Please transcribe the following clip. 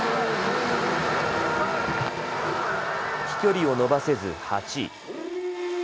飛距離を伸ばせず８位。